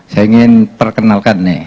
saya ingin perkenalkan nih